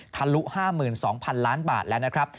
ทะลุ๕๒๐๐๐ล้านบาทแล้วนะครับ